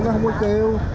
nó không có kêu